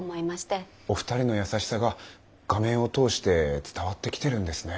お二人の優しさが画面を通して伝わってきてるんですね。